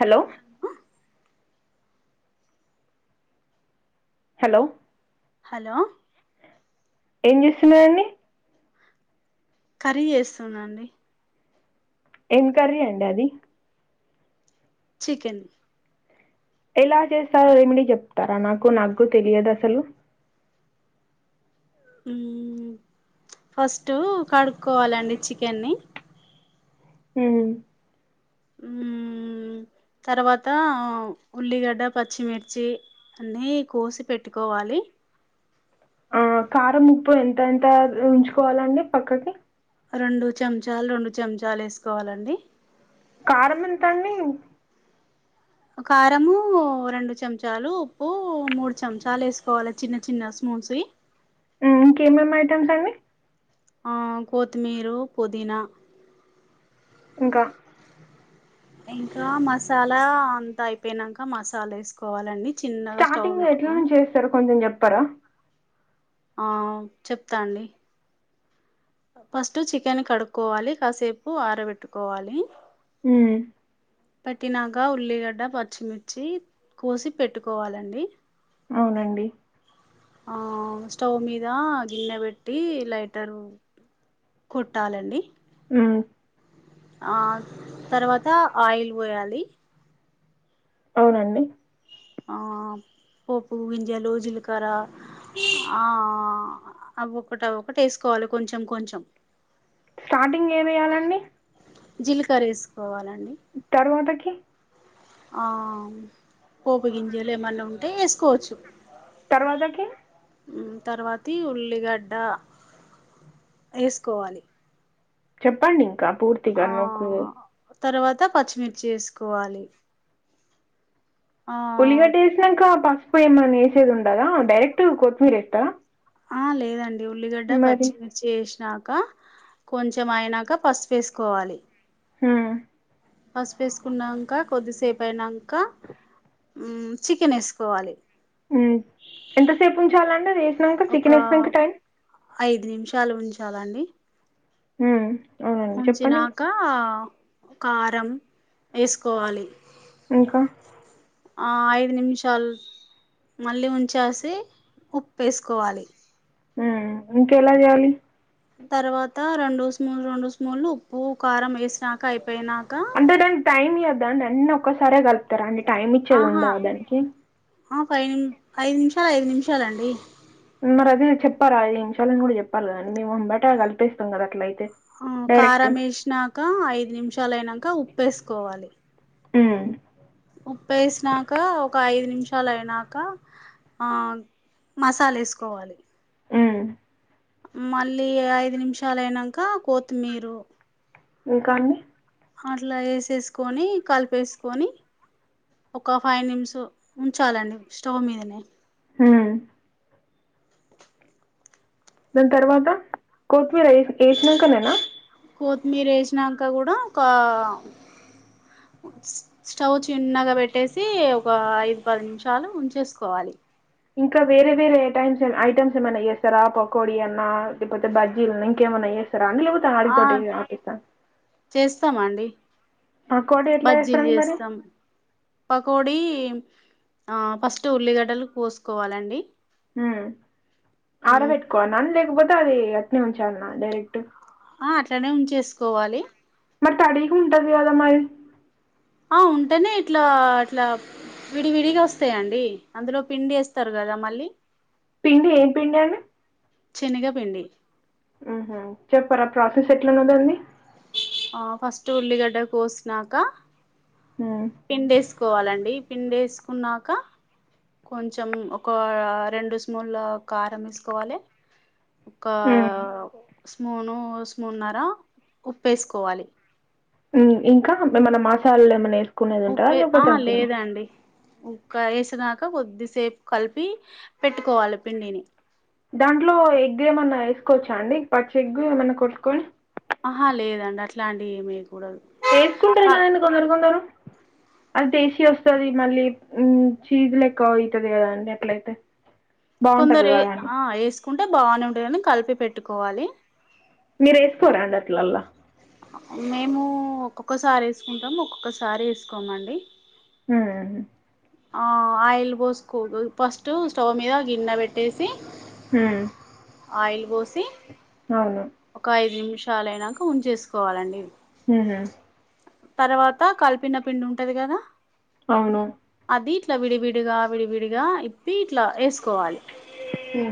Hello. Hello. Hello. ఏం చేస్తున్నారండి. Curry వేస్తునండి. ఎంకర్రి అండి అది. చికెన్. ఎలా చేస్తారో రెమిడీ చెప్తారా నాకు నాకు తెలియదు అసలు. ఫస్ట్ కడుక్కోవాలండి చికెన్ని. హ్మ్ మ్ తర్వాత ఉల్లిగడ్డ పచ్చిమిర్చి అన్నీ కోసి పెట్టుకోవాలి ఆ కారం ఉప్పు ఎంత ఎంత ఉంచుకోవాలండి పక్కకి. రెండు చెంచాలు రెండు చెంచాలు వేసుకోవాలండి. కారం ఎంత అండి. ఒక కారము రెండు. చెంచాలు ఉప్పు మూడు చెంచాలు వేసుకోవాలి చిన్న చిన్న స్మూన్స్. ఇంకేమేమి ఐటమ్స్ అండి. ఆ కొత్తిమీరు పుదీనా. ఇంకా. ఇంకా మసాలా అంతా అయిపోయినాక మసాలా వేసుకోవాలండి. చిన్నగా స్టవ్ స్టార్టింగ్ లో ఎట్ల పెట్టుకొని నుంచి చేస్తారు కొంచెం చెప్. పరా. ఆ చెప్తాండి. ఫస్ట్ చికెన్ కడుక్కోవాలి కాసేపు ఆరబెట్టుకోవాలి హ్మ్ పట్టినాక ఉల్లిగడ్డ పచ్చిమిర్చి కోసి పెట్టుకోవాలండి. అవునండి ఆ స్టవ్ మీద గిన్నె పెట్టి లైటర్ కొట్టాలండి హ్మ్ ఆ తర్వాత ఆయిల్ పోయాలి అవునండి ఆ పోప్పు గింజలు జీలకర్ర ఆ అవి ఒకటి ఒకటి ఎసుకోవాలి కొంచెం కొంచెం స్టార్టింగ్ ఏమియ్యాలండి జీలకర్ర వేసుకోవాలండి తరువాతకి ఆ పోపు గింజలెమన అంటే వేసుకోవచ్చు తర్వాతకి తర్వాతి ఉల్లిగడ్డ వేసుకోవాలి చెప్పండి పూర్తిగా ఆ నాకు తర్వాత పచ్చిమిర్చి వేసుకోవాలి ఆ ఉల్లి గడ వేసినక [unintelligible] [unintelligible] వేసేది ఉండదా డైరెక్ట్ కొత్తిమీర [unintelligible] ఆ లేదండి ఉల్లిగడ్డ మరి పచ్చిమిర్చి చేసినా కొంచెం అయినాక పసుపు వేసుకోవాలి హ్మ్ పసుపు వేసుకున్నాక కొద్దిసేపు అయినాక చికెన్ వేసుకోవాలి ఎంతసేపు ఉంచాలండి అది వేసినాక ఒక చికెన్ వేసినాక టైం ఐదు నిమిషాలు ఉంచాలండి హ్మ్ అవునండి చెప్పండి ఇంకా ఉంచినాక కారం వేసుకోవాలి ఇంకా ఐదు నిమిషాలు మళ్ళీ ఉంచేసి ఉప్పు వేసుకోవాలి ఇంక ఎలా చేయాలి తర్వాత రెండు స్మూన్ రెండు స్మూన్లు ఉప్పు కారం వేసినక అయిపో అంటేదనికి టైమ్ [unintelligible] [unintelligible] అన్న ఒకసారే కలుతారు అండి టైమ్ ఇచ్చేది ఆహా ఉండావ దానికి ఆ పై ని ఐదు నిమిషాలు ఐదు నిమిషాలండి మరి అది చెప్పారా ఐదు నిమిషాలను కూడా చెప్పాలా కదా అండి [unintelligible] కలిపేస్తాం కదా అట్లే ఆ కారం వేసినక ఐదు నిమిషాలు అయినా ఇకా ఉప్పు వేసుకోవాలి మ్మ్ ఉప్పు వేసినాక ఒక ఐదు నిమిషాలు అయినాక ఆ మసాల వేసుకోవాలి మ్మ్ మళ్ళీ ఐదు నిమిషాలు అయినాక కోతి మీరు ఇంకా అండి అట్లా వేసేసుకొని కలిపేసుకొని ఒక ఫైవ్ నిమిస్ ఉంచాలండి స్టవ్ మీదనే ఉమ్ దాని తర్వాత కొతిమీర ఏ వేసినక [unintelligible] కొత్తిమీర వేసినాక కూడా ఒక స్టవ్ చిన్నగా పెట్టేసి ఒక ఐదు పది నిమిషాలు ఉంచేసుకోవాలి ఇంకా వేరే వేరే టైమ్స్ ఐటమ్స్ ఏమైనా చేస్తారా పకోడి అన్నా లేకపోతే బజ్జీలున్నా ఇంకేమైన్నా చేస్తా అండి లేకపోతే ఆడితోటి [unintelligible] స్తామడి పకోడీ ఎట్లా బజ్జీలు చేస్తారండి మరి చేస్తాం పకోడి ఆ ఫస్ట్ ఉల్లిగడ్డలు కోసుకోవాలండి ఉమ్ ఉమ్ ఆరపెట్టుకోవలన లేకపోతే అది అటానే ఉంచాలన్నా డైరెక్ట్ ఆ అట్లానే ఉంచేసుకోవాలి మరి తడికి ఉంటది కదా మరి ఆ ఉంటేనే ఇట్లా అట్లా విడివిడిగా వస్తాయండి అందులో పిండి వేస్తారు కదా మళ్ళీ పిండి ఏం పిండి అండి శనిగ పిండి ఆహ చెప్పరాా ప్రాసెస్ ఎట్లా వండాలి ఆ ఫస్ట్ ఉల్లిగడా కోసినాక ఉమ్. పిండేసుకోవాలండి పిండేసుకున్నాక కొంచెం ఒక రెండు స్మూన్ల కారం వేసుకోవాలి ఒక ఉమ్. స్మూను స్మూన్న్నర ఉప్పేసుకోవాలి ఇంకా ఏమన్నా మాసాలల్లో ఏమన్నా ఉప్పే ఆ లేదండి ఉ వేసినాక కొద్దిసేపు కలిపి పెట్టుకోవాలి పిండిని దాంట్లో ఎగ్ ఏమన్నా వేసుకోవచ్చా అండి పచ్చి ఎగ్గు ఏమన్నా కొట్టుకొని ఆహా లేదండి అట్లా అంటి ఏమి ఎయారు వేసుకుంటారు కదాండి కొందరు కొందరు అది టేస్టీ వస్తుది మళ్ళీ చీజ్ లెక్క అవుతుది కదా అండి ఎట్లయితే కొందరు ఆ వేసుకుంటే బాగానే ఉంటుందని కలిపి పెట్ కోవాలి మీరు వేసుకోరా అన్న అట్లలా మేము ఒక్కొక్కసారి వేసుకుంటాము ఒక్కొక్కసారి వేసుకోమండి హ ఆ ఆయిల్ పోసుకో ఫస్ట్ స్టవ్ మీద గిన్నె పెట్టేసి హ ఆయిల్ పోసి అవును ఒక ఐదు నిమిషాలు అయినాక ఉంచేసుకోవాలండి హ తర్వాత కలిపిన పిండి ఉంటది కదా అవును దీంట్ల విడివిడిగా విడివిడిగా ఇప్పి ఇట్లా వేసుకోవాలి ఉ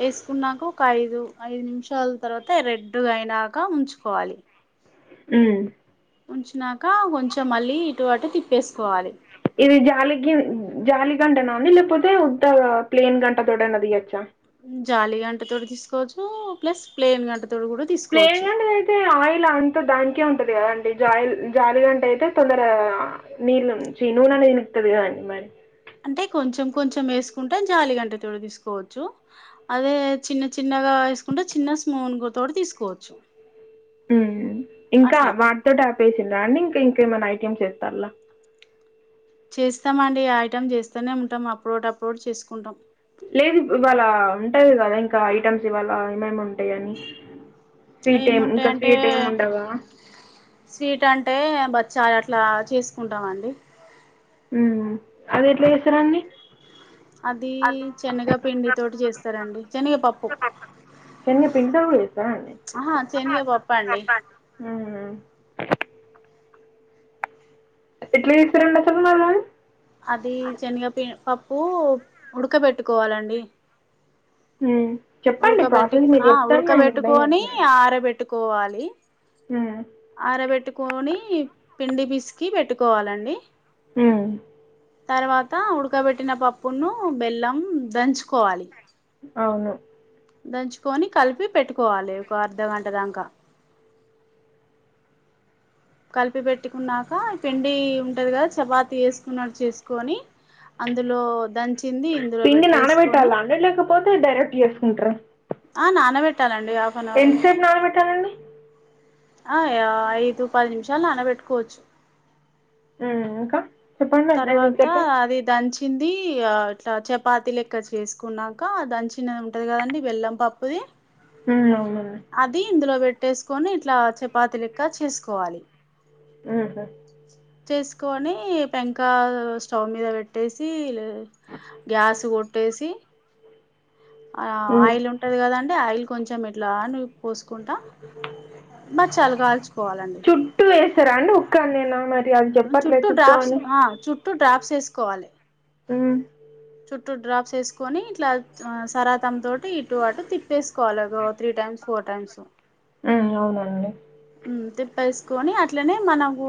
వేసుకున్నాక ఒక ఐదు ఐదు నిమిషాల తర్వాత రెడ్ అయినాక ఉంచుకోవాలి ఆ ఉంచినాక కొంచెం మళ్ళీ ఇటువటు తిప్పేసుకోవాలి ఇది జాలి జాలి గంటనే ఉంది లేకపోతే ఉ ప్లేన్ గంట తోదిగచ్చా జాలి గంటతో తీసుకోవచ్చు ప్లస్ ప్లేన్ గంటతో ప్లైన్ గంట అయితే ఆయిల్ అంత దా ఉంటది కదా అండి జ జాలిగాంటే అయితే తొందర నీళ్ళు నీళ్లు పిలుస్తాది కదండి మరి అంటే కొంచెం కొంచెం ఏసుకుంటే జాలి గంట తోటి తీసుకోవచ్చు. అదే చిన్న చిన్నగా ఏసుకుంటే చిన్న స్మూన్ గు తోటి తీసుకోవచ్చు. హ్మ్ ఇంకా అట్లా వాటితోటె ఆపేసిన్రా అండి? ఇంక్ పి ఇంకేమైనా ఐటమ్స్ చేస్తాల్లా? చేస్తమండి ఐటం చేస్తనే ఉంటాం, అప్పుడోటి అప్పుడోటి చేసుకుంటాం. లేదిపుడు ఇవాళ అన్ ఉంటది కద ఇంకా ఐటమ్స్ ఇవాళ ఏమేమ్ స్వీట్ ఏం ఇంకా ఏముంటాయంటే స్వీట్ ఏం ఉండవా? బచ్చాలట్లా చేసుకుంటామండి. అది ఎట్లా చేస్తరండి? అదీ శనగ పిండి తోటి చేస్తారండి శనగపప్పు. శనగపిండితో కూడా చేస్తారా అండి ఆ హా శనిగ పప్పండి. ఉమ్ ఎట్ల చేస్తారండి అసలు మరి వారి అదీ శనిగా పిన్ పప్ ప్పు ఉడకబెట్టుకోవాలండి హ్మ్ చెప్పండి ఉడకబెట్టి ప్రాసెస్ మీరు చెప్తాంటే నేను వింటనే ఉన్న. కోవాలి అరబెట్టుకోనీ పిండి పిసికి పెట్టుకోవాలండి. హ్మ్ తర్వాత ఉడకబెట్టిన పప్పున్ను బెల్లం దంచుకోవాలి. అవును దంచుకొని కలిపి పెట్టుకోవాలి ఒక అర్ధగంట దాంక కలిపి పెట్టుకున్నాక పిండి ఉంటది కదా, చపాతి చేసుకున్నట్డు చేసుకొని అందులో దంచింది ఇందులో పిండి పెట్టేసుకొని నానబెట్టాల అండి? లేకపోతే డైరెక్ట్ గా చేసుకుంట్ర? ఆ నానబట్టాలండ్ ఎంతసెప్ నాన బెట్టాలండి? ఆ యా ఐదు, పది నిమిషాలు నానబెట్టుకోవచ్చు. ఉమ్ ఇంకా చెప్పండి అది తర్వాత ఇంకెట్లా? అది దంచ్ పిండి ఇగ ఇట్లా చపాతీ లెక్క చేసుకున్నాక దంచినది ఉంటది కదండి బెల్లం పప్పుది. హ్మ్. అవునండి. అది ఇందులో పెట్ టెస్ కొని ఇట్లా చపాతీ లెక్క చేసుకోవాలి. హుహు. చేసుకొనిప్ పెంకా స్టవ్ మీద పెట్టేసి లె గ్యాస్ కొట్టేసి ఆ హ్మ్. ఆయిల్ ఉంటది కదాండి ఆయిల్ కొంచెం ఎట్లా నువ్ పోసుకుంటా బక్సాలు కాల్చుకోవాలండి చుట్టూ ఏస్తరా అండి ఉక్కన్నేనా మరి అది చెప్పట్లేదు చుట్టూ డ్రాప్స్ అని? ఆ చుట్టూ డ్రాప్స్ వేసుకోవాలి హ్మ్మ్ చుట్టూ డ్రాప్స్ వేసుకొని ఇట్లా సరాతమ్ తోటి ఇటు అటు తిప్పేసుకోవాలి త్రీ టైమ్స్ ఫోర్ టైమ్స్ హ్మ్మ్ అవునండి హ్మ్మ్ తిప్పేసుకొని అట్లనే మనకు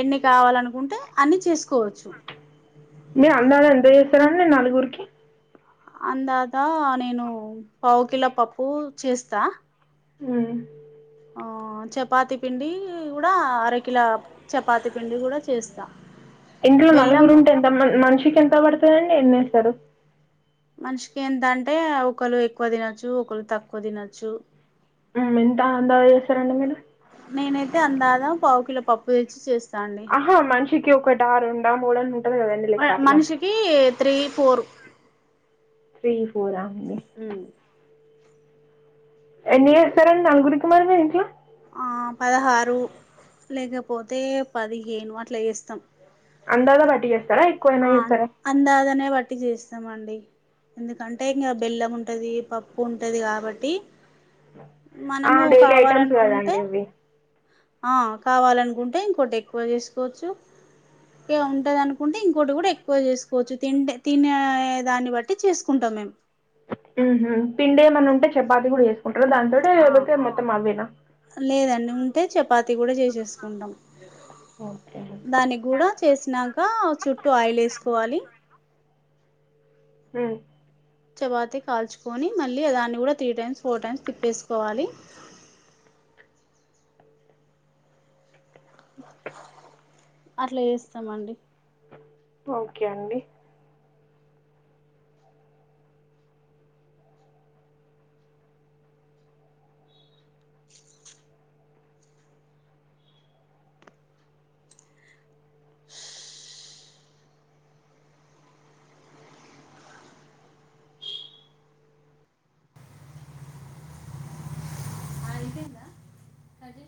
ఎన్ని కావాలనుకుంటే అన్ని చేసుకోవచ్చు మీరు అన్నారండీ [unintelligible] నలుగురికి అందాక నేను పావు కిలో పప్పుూ చేస్తా హ్మ్మ్ ఆ చపాతి పిండి కూడా అరకిల చపాతి పిండి కూడా చేస్తా ఇంట్లో బెల్లం నలుగురు ఉంటే ఎంత మనిషికి ఎంత పడుతుందండి ఏంది సడు మనిషికి ఎంత అంటే ఒకలు ఎక్కువ తినొచ్చు ఒకళ్ళు తక్కువ తినొచ్చు ఎంత ఎంత చేస్తారండి మీరు నేనైతే అందాదా పావు కిలో పప్పు తెచ్చి చేస్తా అండి ఆహా మనిషికి కి ఒకటా రెండా మూడ మనిషికి త్రీ ఫోర్ త్రీ ఫోర్ అ హ్మ్మ్ ఎన్ని చేస్తారండి నలుగురికి మీ ఇంట్లో ఆ పదహారు లేకపోతే పదిహేను అట్లా చేస్తాం అందగ పటి చేస్త సరా ఎక్కువ ఏమయినా చేస్తారా పట్టి చేస్తామండి ఎందుకంటే ఇంకా బెల్లం ఉంటది పప్పు ఉంటది కాబట్టి ఆ మనము డైలీ ఐటెమ్స్ కావాలనుకుంటే కదండి ఇవి ఆ కావాలనుకుంటే ఇంకోటి ఎక్కువ చేసుకోవచ్చు ఇ ఉంటంది అనుకుంటే ఇం కూడా ఎక్కువ చేసుకోవచ్చు తి తినే దాన్ని బట్టి చేసుకుంటాం మేము ఉహు పిండి ఏమన్నా ఉంటే చపాతి కూడా చే స్త ఉంట దానింతోటి ఆ యగతే మొత్తం అవేనా అంటే చపాతి కూడా చేసేసుకుంటాం ఓకే అండి. దాని కూడా చేసినాక ఇంకా చుట్టూ ఆయిల్ వేసుకోవాలి హ చపాతీ కాల్చుకొని మళ్ళీ దాన్ని గూడా త్రీ టైమ్స్, ఫోర్ టైమ్స్, తిప్పేసుకోవాలి. అట్లా ఎస్తామండి. ఒకే అండి.